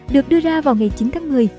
được đưa ra vào ngày chín tháng một mươi